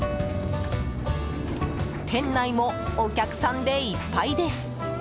店内も、お客さんでいっぱいです。